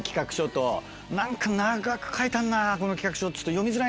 「何か長く書いてあんなこの企画書」。